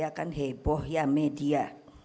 ya kan heboh ya media